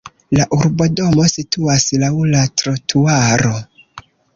La urbodomo situas laŭ la trotuaro.